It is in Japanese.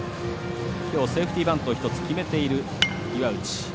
きょうセーフティーバント１つ、決めている、岩内。